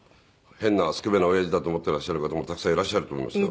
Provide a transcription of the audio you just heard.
変なスケベな親父だと思っていらっしゃる方もたくさんいらっしゃると思いますけど。